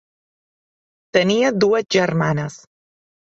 Tenia dues germanes: